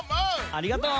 ありがとう！